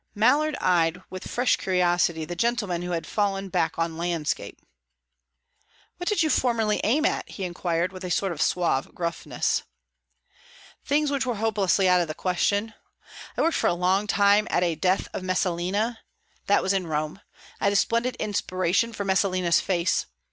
Mallard eyed with fresh curiosity the gentleman who had "fallen back on landscape." "What did you formerly aim at?" he inquired, with a sort of suave gruffness. "Things which were hopelessly out of the question. I worked for a long time at a 'Death of Messalina.' That was in Rome. I had a splendid inspiration for Messalina's face.